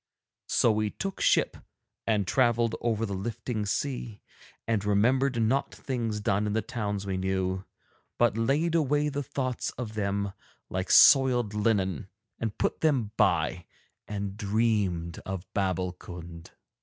So we took ship and travelled over the lifting sea, and remembered not things done in the towns we knew, but laid away the thoughts of them like soiled linen and put them by, and dreamed of Babbulkund.